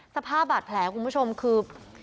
สภาพบาดแผลคุณผู้ชมคือ